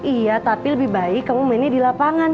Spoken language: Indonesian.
iya tapi lebih baik kamu mainnya di lapangan